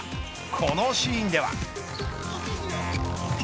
このシーンでは。